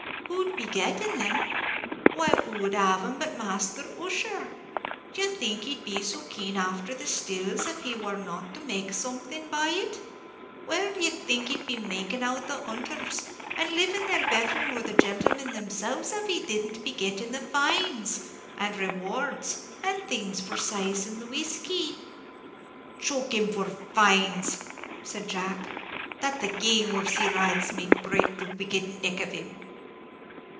"Who'd be getting 'em? why, who would have 'em but Masther Ussher? D'ye think he'd be so keen afther the stills, av he war not to make something by it? where d'ye think he'd be making out the hunters, and living there better nor the gentlemen themselves, av he didn't be getting the fines, and rewards, and things, for sazing the whiskey?" "Choke him for fines!" said Jack; "that the gay horse he rides might break the wicked neck of him!"